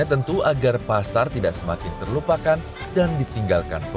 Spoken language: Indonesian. memang membuat pengelola pasar harus bisa melakukan terobosan dan inovasi baru